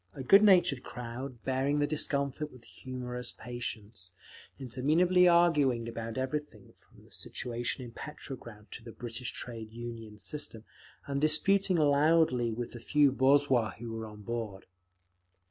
A good natured crowd, bearing the discomfort with humorous patience, interminably arguing about everything from the situation in Petrograd to the British Trade Union system, and disputing loudly with the few boorzhui who were on board.